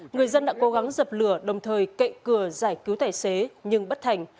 người dân đã cố gắng dập lửa đồng thời cậy cửa giải cứu tài xế nhưng bất thành